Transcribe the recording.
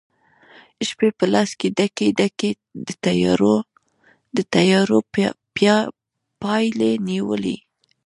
شپي په لاس کې ډکي، ډکي، د تیارو پیالې نیولي